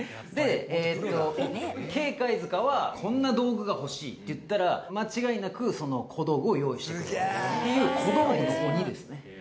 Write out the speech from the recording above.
Ｋ・貝塚はこんな道具が欲しいって言ったら間違いなくその小道具を用意してくれるっていう。